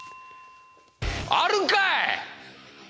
あるんかい！